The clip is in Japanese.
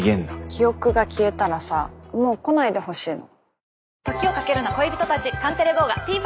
記憶が消えたらさもう来ないでほしいの。